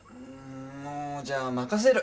もじゃあ任せる。